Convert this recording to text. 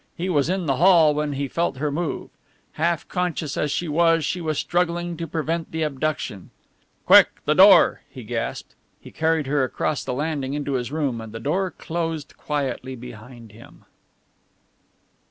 He was in the hall when he felt her move. Half conscious as she was, she was struggling to prevent the abduction. "Quick, the door!" he gasped. He carried her across the landing into his room, and the door closed quietly behind him.